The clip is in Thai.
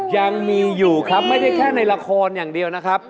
ยังมีอยู่ครับไม่ได้แค่ในละครอย่างเดียวนะครับ